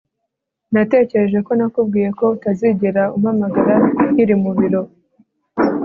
natekereje ko nakubwiye ko utazigera umpamagara nkiri ku biro